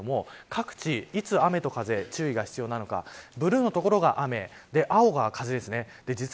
各地、いつ雨と風注意が必要なのかブルーの所が雨で青が風ですね。